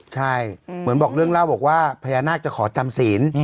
ใช่เหมือนบอกเรื่องเล่าบอกว่าพญานาคจะขอจำศีล